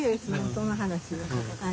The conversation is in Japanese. その話は。